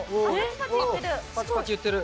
パチパチいってる。